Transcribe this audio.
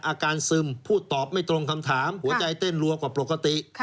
ซึมพูดตอบไม่ตรงคำถามหัวใจเต้นรัวกว่าปกติ